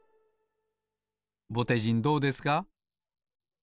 ぼてじんどうですか？